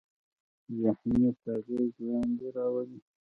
ذهنیت اغېز لاندې راولي.